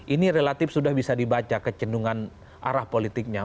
ini relatif sudah bisa dibaca kecendungan arah politiknya